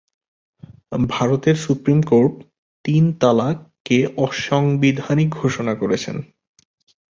ভারতের supreme court, "তিন তালাক"কে অসাংবিধানিক ঘোষণা করেছেন।